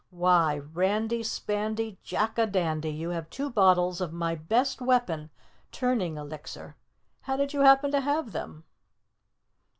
"Why, Randy Spandy Jack a Dandy, you have two bottles of my best weapon turning elixir! How did you happen to have them?"